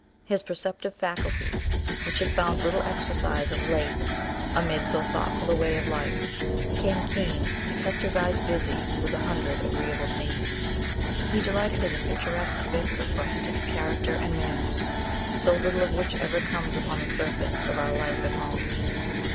His perceptive faculties, which had found little exercise of late, amid so thoughtful a way of life, became keen, and kept his eyes busy with a hundred agreeable scenes. He delighted in the picturesque bits of rustic character and manners, so little of which ever comes upon the surface of our life at home.